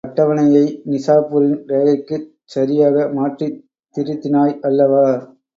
இந்த அட்டவணையை நிசாப்பூரின் ரேகைக்குச் சரியாக மாற்றித் திருத்தினாய் அல்லவா?